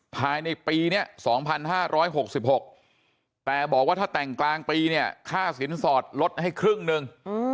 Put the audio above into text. ภายในปีนี้๒๕๖๖แต่บอกว่าถ้าแต่งกลางปีเนี่ยค่าสินสอดลดให้ครึ่งหนึ่ง